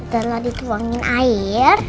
setelah dituangin air